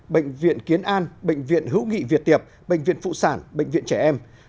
bệnh viện kiến an bệnh viện hữu nghị việt tiệp bệnh viện phụ sản bệnh viện trẻ em